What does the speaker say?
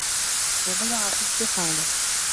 وَمَنَعَ حُسْنَ حَالِهِ